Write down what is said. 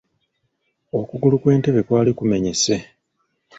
Okugulu kw'entebe kwali kumenyese